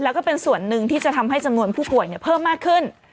แล้วก็เป็นส่วนหนึ่งที่จะทำให้จำนวนผู้ป่วยเพิ่มมากขึ้น